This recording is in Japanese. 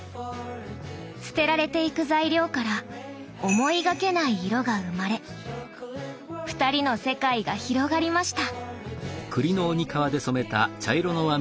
捨てられていく材料から思いがけない色が生まれ２人の世界が広がりました。